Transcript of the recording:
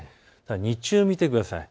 日中を見てください。